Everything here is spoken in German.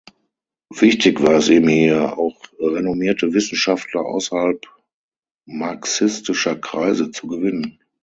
Wichtig war es ihm hier, auch renommierte Wissenschaftler außerhalb marxistischer Kreise zu gewinnen.